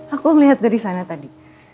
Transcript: aku melihat dari sana tadi